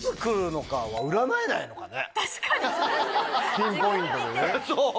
ピンポイントでね。